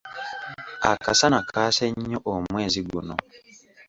Akasana kaase nnyo omwezi guno.